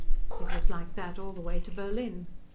It was like that all the way to Berlin.